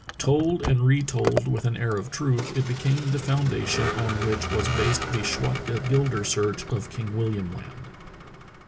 Told and retold with an air of truth, it became the foundation on which was based the Schwatka Gilder search of King William Land.